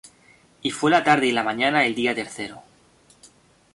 Y fué la tarde y la mañana el día tercero.